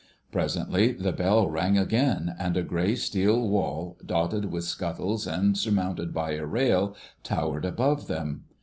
Presently the bell rang again, and a grey steel wall, dotted with scuttles and surmounted by a rail, towered above them.